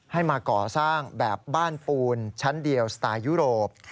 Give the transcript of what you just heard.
มาก่อสร้างแบบบ้านปูนชั้นเดียวสไตล์ยุโรป